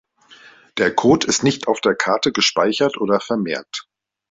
Der Code ist nicht auf der Karte gespeichert oder vermerkt.